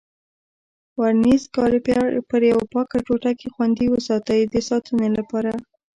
ورنیز کالیپر پر یوه پاکه ټوټه کې خوندي وساتئ د ساتنې لپاره.